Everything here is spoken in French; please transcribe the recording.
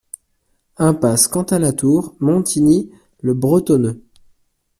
Impasse Quentin La Tour, Montigny-le-Bretonneux